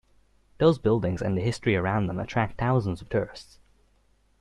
Those buildings and the history around them attract thousands of tourists.